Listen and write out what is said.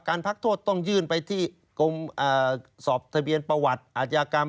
พักโทษต้องยื่นไปที่กรมสอบทะเบียนประวัติอาชญากรรม